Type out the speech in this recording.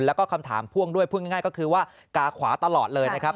แล้วก็คำถามพ่วงด้วยพูดง่ายก็คือว่ากาขวาตลอดเลยนะครับ